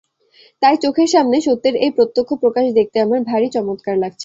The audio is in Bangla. তাই চোখের সামনে সত্যের এই প্রত্যক্ষ প্রকাশ দেখতে আমার ভারি চমৎকার লাগছে।